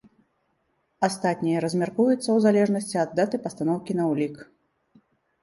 Астатняе размяркуецца ў залежнасці ад даты пастаноўкі на ўлік.